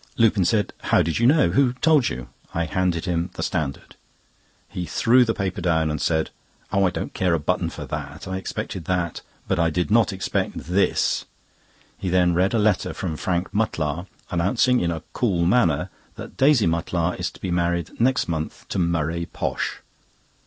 Lupin said: "How did you know? who told you?" I handed him the Standard. He threw the paper down, and said: "Oh I don't care a button for that! I expected that, but I did not expect this." He then read a letter from Frank Mutlar, announcing, in a cool manner, that Daisy Mutlar is to be married next month to Murray Posh.